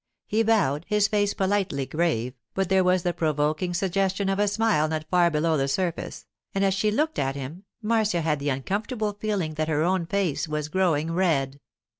He bowed, his face politely grave, but there was the provoking suggestion of a smile not far below the surface; and as she looked at him Marcia had the uncomfortable feeling that her own face was growing red.